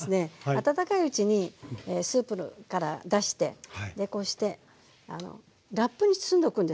温かいうちにスープから出してこうしてラップに包んでおくんです。